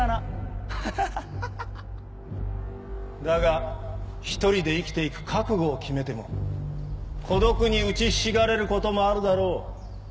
だが一人で生きて行く覚悟を決めても孤独に打ちひしがれることもあるだろう。